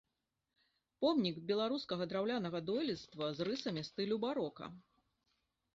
Помнік беларускага драўлянага дойлідства з рысамі стылю барока.